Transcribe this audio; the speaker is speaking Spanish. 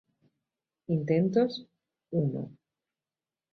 Intentos: uno.